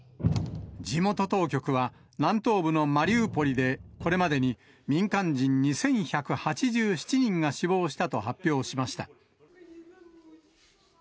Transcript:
地元当局は、南東部のマリウポリで、これまでに民間人２１８７人が死亡したと発表しました。